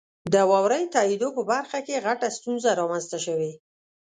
د واورئ تائیدو په برخه کې غټه ستونزه رامنځته شوي.